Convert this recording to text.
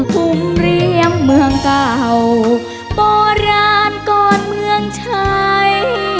คุ้มเรียมเมืองเก่าโปรดร้านก่อนเมืองไชย